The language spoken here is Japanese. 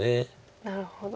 なるほど。